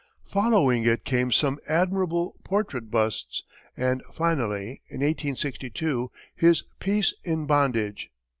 Following it came some admirable portrait busts; and finally, in 1862, his "Peace in Bondage."